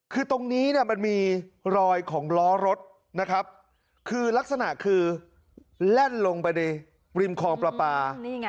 คือตรงนี้มันมีรอยของล้อรถลักษณะคือแร่นลงไปในริมคลองปลาปลา